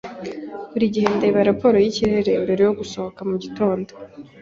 Buri gihe ndeba raporo yikirere mbere yo gusohoka mugitondo.